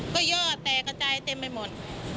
ก็ย่อแตกกระจายเต็มไปหมด